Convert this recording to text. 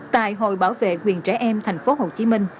tại hội bảo vệ quyền trẻ em tp hcm